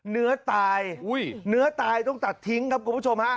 เนื้อตายเนื้อตายต้องตัดทิ้งครับคุณผู้ชมฮะ